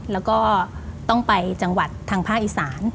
แล้วก็ต้องไปจังหวัดทางภาคอีสาน